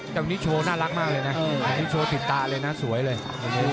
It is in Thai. เจ้านี้โชว์น่ารักมากเลยนะโชว์ติดตาเลยนะสวยเลย